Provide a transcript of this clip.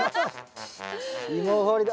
芋掘りだ。